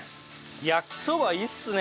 焼きそばいいですね！